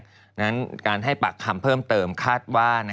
ดังนั้นการให้ปากคำเพิ่มเติมคาดว่า